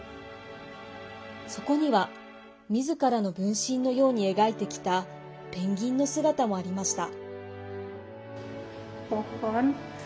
そこには、みずからの分身のように描いてきたペンギンの姿もありました。